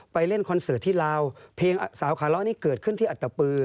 เล่นคอนเสิร์ตที่ลาวเพลงสาวขาล้อนี่เกิดขึ้นที่อัตตปือ